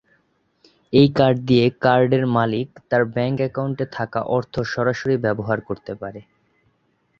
এই কার্ড দিয়ে কার্ডের মালিক তার ব্যাংক একাউন্ট এ থাকা অর্থ সরাসরি ব্যবহার করতে পারে।